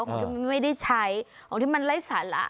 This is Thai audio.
คนที่มันไม่ได้ใช้ของที่มันไร้สาระ